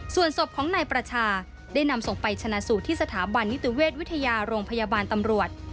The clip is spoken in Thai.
ส่วนศพของนายประชาได้นำส่งไปชนะสูตรที่สถาบันนิติเวชวิทยาโรงพยาบาลตำรวจ